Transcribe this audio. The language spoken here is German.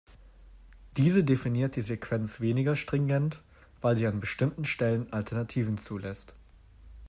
Diese definiert die Sequenz weniger stringent, weil sie an bestimmten Stellen Alternativen zulässt.